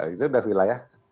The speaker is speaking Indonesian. itu sudah villa ya